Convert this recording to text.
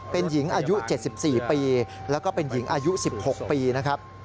เป็นหญิงอายุ๗๔ปีแล้วก็เป็นหญิงอายุ๑๖ปีนะครับ